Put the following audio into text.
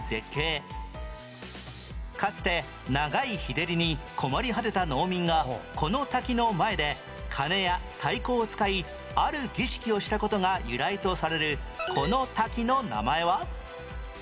かつて長い日照りに困り果てた農民がこの滝の前で鐘や太鼓を使いある儀式をした事が由来とされるこの滝の名前は？